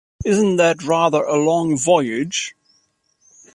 Isn't that rather a long voyage?